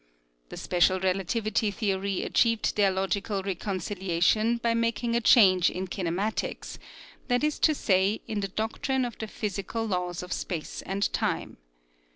The special relativity theory achieved their logical reconciliation by making a change in kinematics, that is to say, in the doctrine of the physical laws of space and time.